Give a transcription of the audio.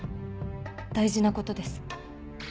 大事なことです。